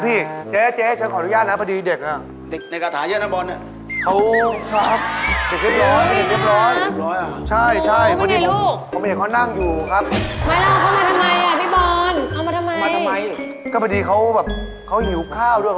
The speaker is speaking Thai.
พี่สุงสารเด็กเอาพี่ดูนี่